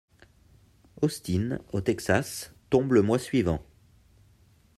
Austin, au Texas, tombe le mois suivant.